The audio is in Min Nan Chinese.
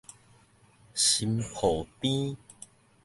新廍邊